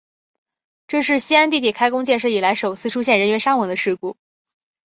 这是西安地铁开工建设以来首次出现人员伤亡的事故。